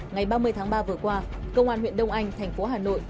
ngày ba mươi tháng ba vừa qua công an huyện đông anh thành phố hà nội